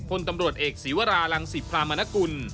คนตำรวจเอกศีวราหลัง๑๐พราหมณะกุล